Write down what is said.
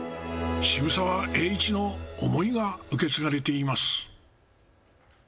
渋沢栄一の思いが受け継がれています。